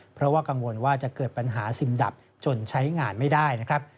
เพราะว่ากังวลว่าจะเกิดปัญหาซิมดับจนใช้งานไม่ได้นะครับ